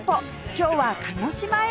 今日は鹿児島へ